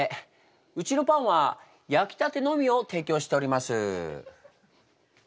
うちのパンは焼きたてのみを提供しております。